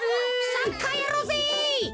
サッカーやろうぜ！